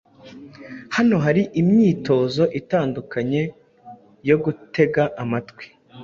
Hano hari imyitozo itandukanye yo gutega amatwi